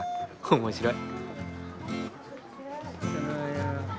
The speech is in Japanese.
面白い。